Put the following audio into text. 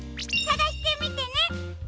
さがしてみてね！